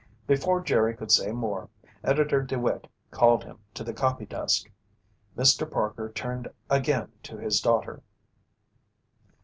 Before Jerry could say more, Editor DeWitt called him to the copy desk. Mr. Parker turned again to his daughter.